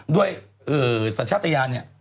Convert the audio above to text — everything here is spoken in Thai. ด้วยสัญชาติยานเนี่ย